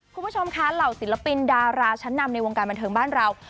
คุณผู้ชมคะเหล่าศิลปินดาราชั้นนำในวงการบันเทิงบ้านเรา